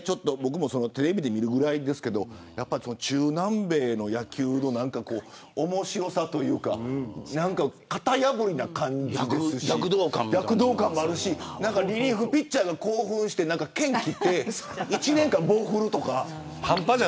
テレビで見るぐらいですけど中南米の野球の面白さというか型破りな感じですし躍動感もあるしリリーフピッチャーが興奮してけんを切って１年間を棒に振るとか。